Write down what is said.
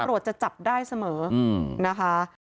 ตำรวจจะจับได้เสมอนะคะ